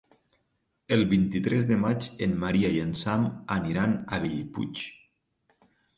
El vint-i-tres de maig en Maria i en Sam aniran a Bellpuig.